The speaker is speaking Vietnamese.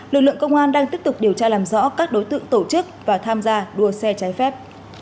lực lượng công an đang tiếp tục điều tra làm rõ các đối tượng tổ chức và tham gia đua xe trái phép